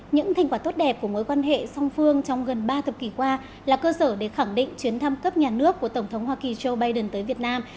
những thành quả tốt đẹp của mối quan hệ song phương trong gần ba thập kỷ qua là cơ sở để khẳng định chuyến thăm cấp nhà nước của tổng thống hoa kỳ joe biden tới việt nam